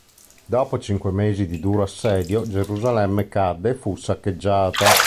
Dopo cinque mesi di duro assedio, Gerusalemme cadde e fu saccheggiata.